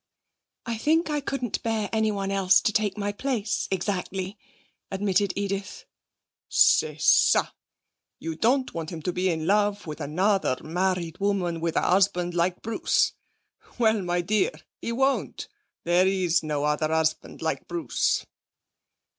'I think I couldn't bear anyone else to take my place exactly,' admitted Edith. 'C'est ça! you don't want him to be in love with another married woman with a husband like Bruce? Well, my dear, he won't. There is no other husband like Bruce.